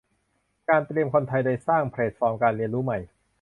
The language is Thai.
การเตรียมคนไทยโดยสร้างแพลตฟอร์มการเรียนรู้ใหม่